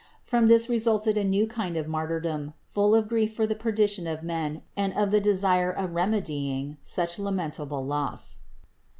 From this resulted a new kind of martyrdom full of grief for the perdition of men and of the desire of remedying such lamentable loss.